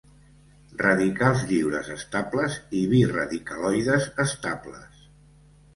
Radicals lliures estables i biradicaloides estables.